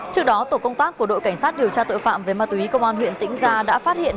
trước đó tổ công tác của đội cảnh sát điều tra tội phạm về ma túy công an huyện tĩnh gia đã phát hiện